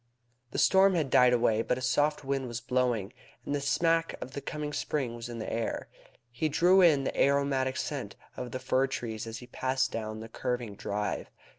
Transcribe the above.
The storm had died away, but a soft wind was blowing, and the smack of the coming spring was in the air. He drew in the aromatic scent of the fir trees as he passed down the curving drive.